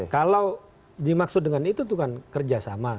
kalau dimaksud dengan itu kan kerjasama